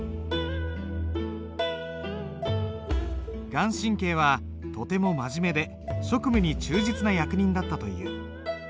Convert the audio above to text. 顔真はとても真面目で職務に忠実な役人だったという。